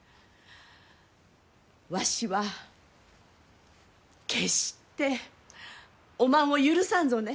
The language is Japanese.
わしは決しておまんを許さんぞね。